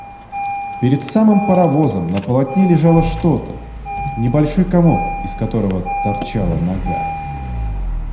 Перед самым паровозом на полотне лежало что-то, небольшой комок, из которого торчала нога.